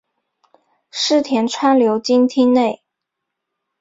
柿田川流经町内。